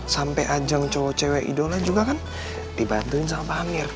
sampai ajang cowok cewek idola juga kan dibantuin sama pak amir